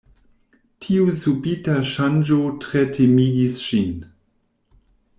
Tiu subita ŝanĝo tre timigis ŝin.